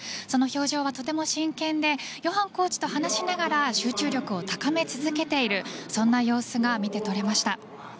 その表情はとても真剣でヨハンコーチと話しながら集中力を高め続けているそんな様子が見て取れました。